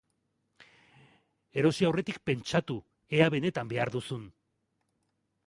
Erosi aurretik pentsatu ea benetan behar duzun.